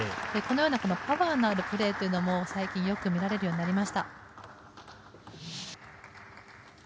このパワーのあるプレーを最近よく見られるようになりました。